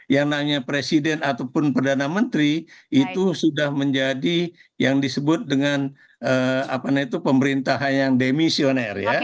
yang namanya presiden ataupun perdana menteri itu sudah menjadi yang disebut dengan pemerintahan yang demisioner